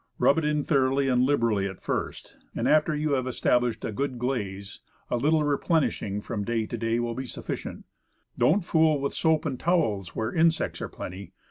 Rub it in thoroughly and liberally at first, and after you have established a good glaze, a little replenishing from day to day will be sufficient. And don't fool with soap and towels where insects are plenty.